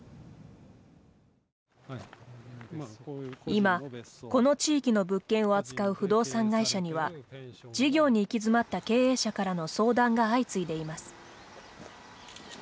今、この地域の物件を扱う不動産会社には事業に行き詰まった経営者からの相談が相次いでいます。